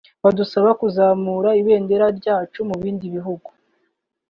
badusaba kuzamura ibendera ryacu mu bindi bihugu